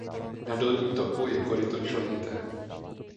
Na dolním toku je koryto členité.